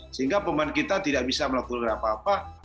sehingga pemain kita tidak bisa melakukan apa apa